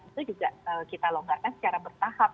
itu juga kita longgarkan secara bertahap